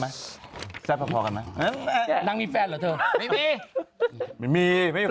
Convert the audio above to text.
ไม่มีไม่เคยมีแฟน